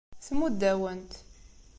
Tmudd-awen-t.